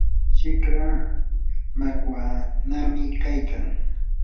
shikra makwanami kaykan.